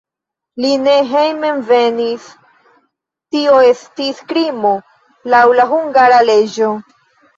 Li ne hejmenvenis, tio estis krimo laŭ la hungara leĝo.